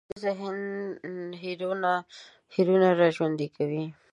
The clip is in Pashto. ویده ذهن هېرونه راژوندي کوي